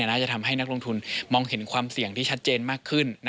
น่าจะทำให้นักลงทุนมองเห็นความเสี่ยงที่ชัดเจนมากขึ้น